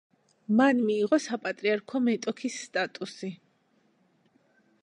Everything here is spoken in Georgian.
მან მიიღო საპატრიარქო მეტოქის სტატუსი.